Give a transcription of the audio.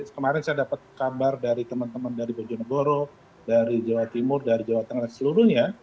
kemarin saya dapat kabar dari teman teman dari bojonegoro dari jawa timur dari jawa tengah seluruhnya